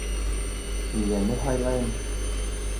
Кинйәне һайлайым.